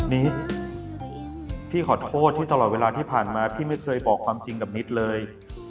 นิดพี่ขอโทษที่ตลอดเวลาที่ผ่านมาพี่ไม่เคยบอกความจริงกับนิดเลย